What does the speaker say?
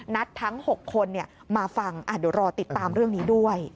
ทั้ง๖คนมาฟังเดี๋ยวรอติดตามเรื่องนี้ด้วย